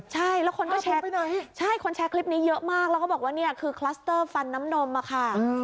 ใช่แล้วคนแชร์คลิปนี้เยอะมากแล้วก็บอกว่าเนี่ยคือคลัสเตอร์ฟันน้ำดมอ่ะค่ะ